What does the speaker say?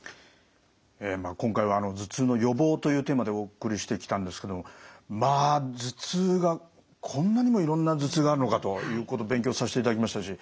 今回は「頭痛の予防」というテーマでお送りしてきたんですけどもまあ頭痛がこんなにもいろんな頭痛があるのかということ勉強させていただきましたし